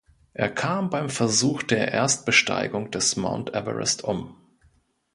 Er kam beim Versuch der Erstbesteigung des Mount Everest um.